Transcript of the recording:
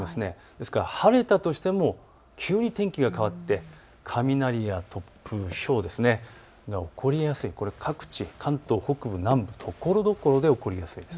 ですから晴れたとしても急に天気が変わって雷や突風、ひょうが起こりやすい、各地、関東北部、南部、ところどころで起こりやすいです。